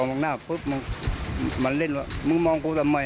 มองหน้าปุ๊บมึงมาเล่นว่ามึงมองกูทำไม